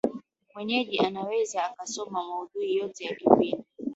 mwenyeji anaweza akasoma maudhui yote ya kipindi